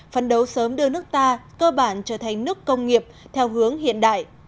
phấn đấu sớm đưa nước ta cơ bản trở thành nước công nghiệp theo hướng hiện đại